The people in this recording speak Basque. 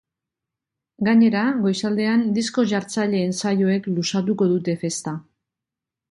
Gainera, goizaldean disko-jartzaileen saioek luzatuko dute festa.